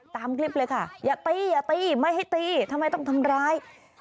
ตามคลิปเลยค่ะอย่าตีอย่าตีไม่ให้ตีทำไมต้องทำร้าย